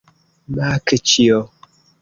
Makĉjo!